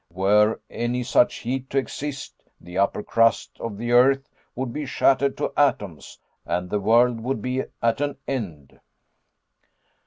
Were any such heat to exist, the upper crust of the earth would be shattered to atoms, and the world would be at an end."